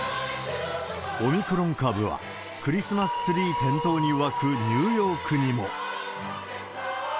オミクロン株は、クリスマスツリー点灯に沸くニューヨークにも。